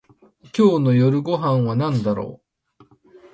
今日の夜ご飯はなんだろう